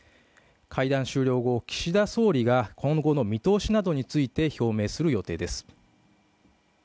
会談終了後、岸田総理が今後の見通しなどについて表明する見通しです。